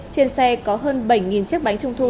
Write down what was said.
trên xe có hơn bảy chiếc bánh trung thu